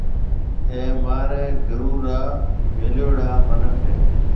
اَي مهاريَ گُرو را ميليوڙا مِنک هيَ۔